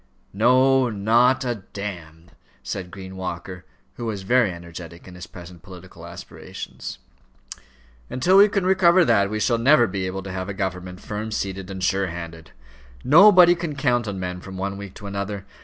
"No, not a d ," said Green Walker, who was very energetic in his present political aspirations. "And till we can recover that, we shall never be able to have a government firm seated and sure handed. Nobody can count on men from one week to another.